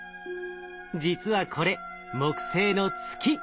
実はこれ木星の月！